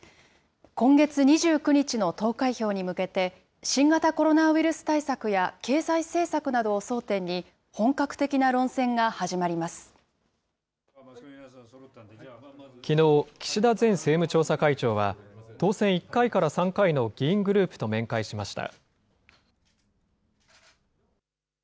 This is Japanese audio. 今月２９日の投開票に向けて、新型コロナウイルス対策や経済政策などを争点に、本格的な論戦がきのう、岸田前政務調査会長は、当選１回から３回の議員グループと面会しました。